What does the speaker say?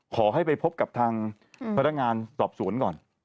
ขอให้ไปพบกับทางพนักงานสอบสวนก่อน